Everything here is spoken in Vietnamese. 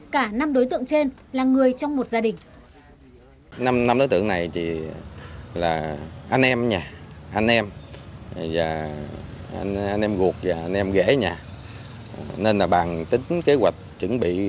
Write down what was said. cả năm đối tượng trên là người trong một gia đình